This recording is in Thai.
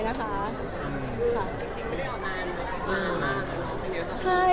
มานานก็ใช่